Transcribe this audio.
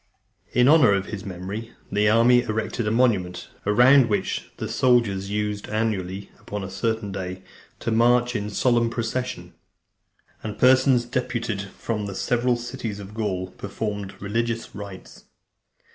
In honour of his (296) memory, the army erected a monument, round which the soldiers used, annually, upon a certain day, to march in solemn procession, and persons deputed from the several cities of Gaul performed religious rites.